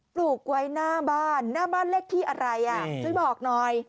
ปลูกไว้หน้าบ้านหน้าบ้านเลขที่อะไรอ่ะช่วยบอกหน่อย